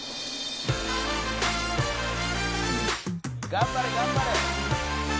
「頑張れ頑張れ！」